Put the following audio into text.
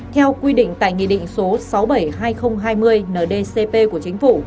theo quy định tại nghị định số sáu trăm bảy mươi hai nghìn hai mươi ndcp